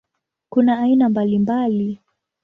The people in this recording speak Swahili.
Kuna aina mbalimbali.